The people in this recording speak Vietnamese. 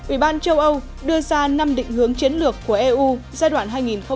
ủy ban châu âu đưa ra năm định hướng chiến lược của eu giai đoạn hai nghìn một mươi chín hai nghìn hai mươi